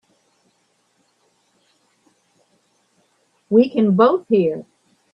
We can both hear.